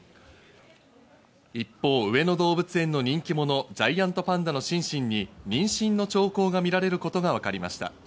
一方、上野動物園の人気者・ジャイアントパンダのシンシンに妊娠の兆候が見られることがわかりました。